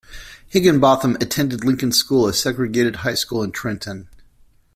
Higginbotham attended Lincoln School, a segregated high school in Trenton.